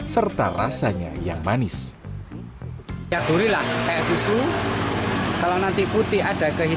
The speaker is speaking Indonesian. serta rasanya yang enak